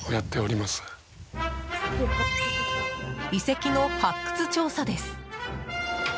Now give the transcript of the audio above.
遺跡の発掘調査です。